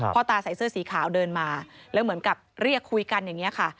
ตาใส่เสื้อสีขาวเดินมาแล้วเหมือนกับเรียกคุยกันอย่างนี้ค่ะ